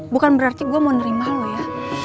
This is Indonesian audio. bukan berarti gue mau nerima lu ya